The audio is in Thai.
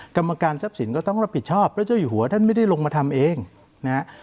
กรรมการทรัพย์สินก็ต้องรับผิดชอบพระเจ้าอยู่หัวท่านไม่ได้ลงมาทำเองนะฮะ